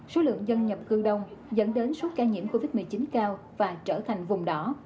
số lượng dân nhập cư đông dẫn đến số ca nhiễm covid một mươi chín cao và trở thành vùng đỏ